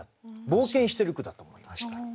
冒険している句だと思いました。